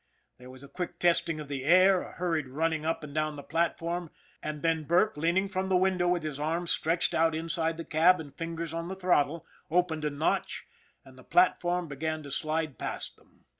There was a quick testing of the " air," a hurried running up and down the platform, and then Burke, leaning from the window with his arms stretched out inside the cab and fingers on the throttle, opened a notch, and the platform began to slide past them.